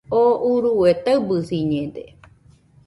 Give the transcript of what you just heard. ¿Oo urue taɨbɨsiñede?